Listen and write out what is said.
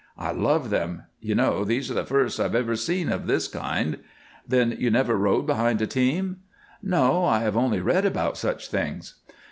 "I love them. You know, these are the first I have ever seen of this kind." "Then you never rode behind a team?" "No. I have only read about such things."